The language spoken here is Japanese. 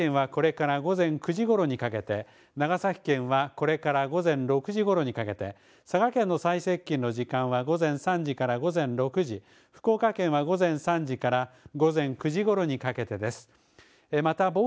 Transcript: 大分県はこれから午前９時ごろにかけて、長崎県はこれから午前６時ごろにかけて、佐賀県の最接近の時間は午前３時から午前６時福岡県は午前３時から午前９時ごろにかけてです。